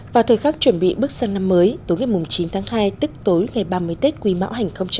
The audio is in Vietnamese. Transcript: vào thời khắc chuẩn bị bước sang năm mới tối ngày chín tháng hai tức tối ngày ba mươi tết quý mão hành hai mươi